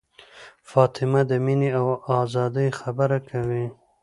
فاطمه د مینې او ازادۍ خبرې کوي.